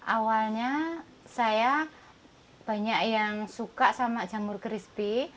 awalnya saya banyak yang suka sama jamur crispy